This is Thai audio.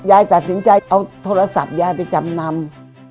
ยายตัดสินใจเอาโทรศัพท์ยายไปจำนำ